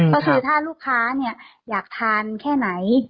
ก็คือถ้าลูกค้าอยากทานแค่ไหน